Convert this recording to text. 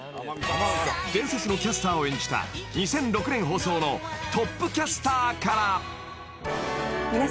［伝説のキャスターを演じた２００６年放送の『トップキャスター』から］